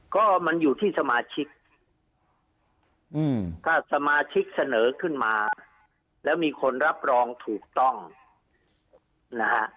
ก็มันอยู่ที่สมาชิกถ้าสมาชิกเสนอขึ้นมาแล้วมีคนรับรองถูกต้องนะฮะ